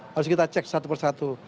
harus kita cek satu persatu